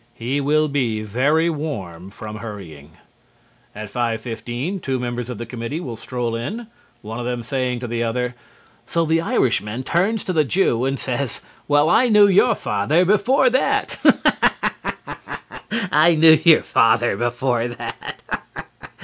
He will be very warm from hurrying. At 5:15 two members of the committee will stroll in, one of them saying to the other: " so the Irishman turns to the Jew and says: 'Well, I knew your father before that!' Aha ha ha ha ha ha! 'I knew your father before that!'"